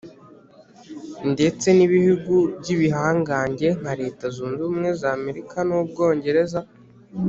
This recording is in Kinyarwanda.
ndetse n'ibihugu by'ibihangange nka leta zunze ubumwe z'amerika n'ubwongereza.